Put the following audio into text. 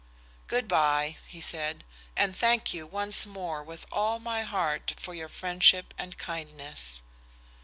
"Good by," he said, "and thank you once more, with all my heart, for your friendship and kindness."